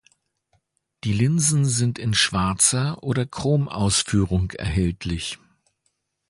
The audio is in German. Die Linsen sind in schwarzer oder Chrom-Ausführung erhältlich.